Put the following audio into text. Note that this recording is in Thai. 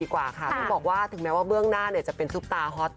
ต้องบอกว่าถึงแม้ว่าเบื้องหน้าจะเป็นซุปตาฮอต